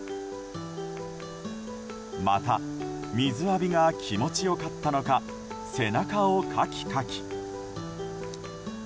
また水浴びが気持ちよかったのか背中をかきかき。